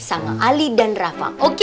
sang ali dan rafa oke